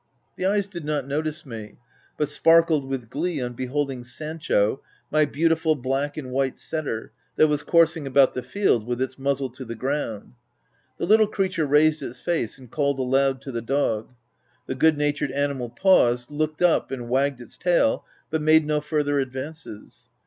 The eyes did not notice me, but sparkled with glee on beholding Sancho, my beautiful black and white setter, that was coursing about the field with its muzzle to the ground. The little creature raised its face and called aloud to the dog. The good natured animal paused, looked up, and wagged his tail, but made no further advances.